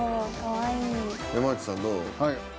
山内さんどう？